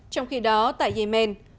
trong khi đó tại yemen